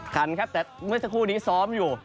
คันครับแต่เมื่อสักครู่นี้ซ้อมอยู่